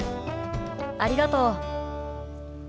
ありがとう。